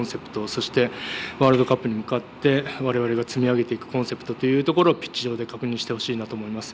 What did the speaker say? そしてワールドカップに向かって我々が積み上げていくコンセプトというところをピッチ上で確認してほしいなと思います。